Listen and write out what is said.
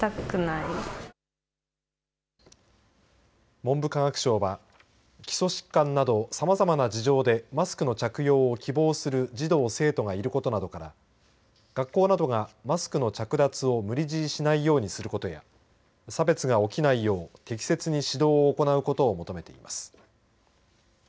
文部科学省は基礎疾患などさまざまな事情でマスクの着用を希望する児童生徒がいることなどから学校などがマスクの着脱を無理強いしないようにすることや差別が起きないよう適切に指導を行うことを求めています。